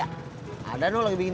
kau seperti iyen